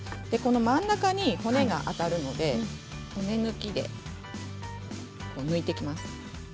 真ん中に骨が当たるので骨抜きで抜いていきます。